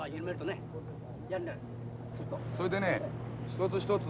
それでね一つ一つ